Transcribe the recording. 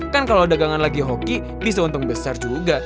kan kalau dagangan lagi hoki bisa untung besar juga